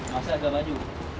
masih agak maju